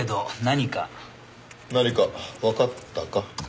何かわかったか？